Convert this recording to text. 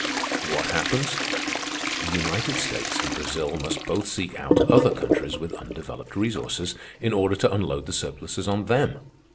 "What happens? The United States and Brazil must both seek out other countries with undeveloped resources, in order to unload the surpluses on them.